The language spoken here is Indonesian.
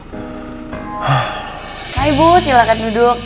hai bu silahkan duduk